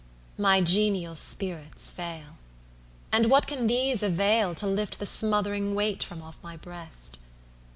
IIIMy genial spirits fail; And what can these availTo lift the smothering weight from off my breast?